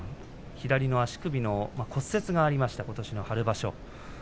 左の足首の骨折がありました、ことしの春場所。